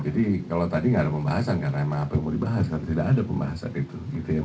jadi kalau tadi gak ada pembahasan karena emang apa yang mau dibahas kalau tidak ada pembahasan itu